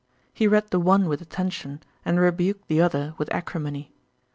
He read the one with attention, and rebuked the other with acrimony.